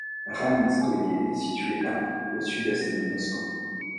Ramenskoïe est située à au sud-est de Moscou.